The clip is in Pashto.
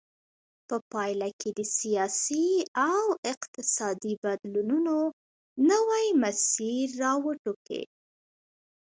په پایله کې د سیاسي او اقتصادي بدلونونو نوی مسیر را وټوکېد.